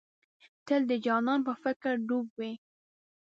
تل د جانان په فکر ډوب وې.